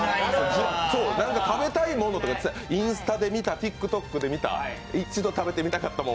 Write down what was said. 食べたいものとか、インスタで見たＴｉｋＴｏｋで見た、一度食べてみたかったもの